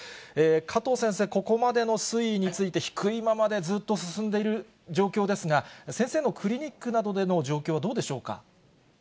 加藤先生、ここまでの推移について、低いままずっと進んでいる状況ですが、先生のクリニックなどでの状況はどうでしょうか。